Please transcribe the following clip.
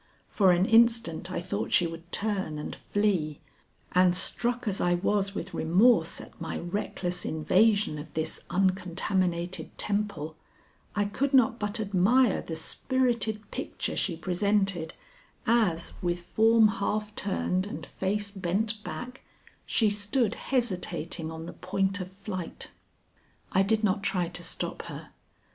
For an instant I thought she would turn and flee, and struck as I was with remorse at my reckless invasion of this uncontaminated temple, I could not but admire the spirited picture she presented as, with form half turned and face bent back, she stood hesitating on the point of flight. I did not try to stop her.